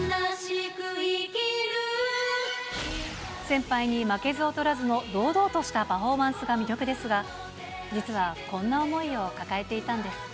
先輩に負けず劣らずの堂々としたパフォーマンスが魅力ですが、実はこんな思いを抱えていたんです。